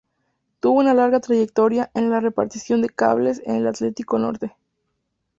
Tuvo una larga trayectoria en la reparación de cables en el Atlántico Norte.